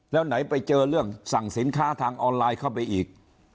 แล้วไหนไปเจอเรื่องสั่งสินค้าทางออนไลน์เข้าไปอีก